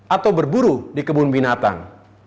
atau berburu di kebun binatang